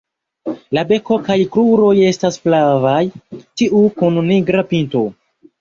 La beko kaj kruroj estas flavaj, tiu kun nigra pinto.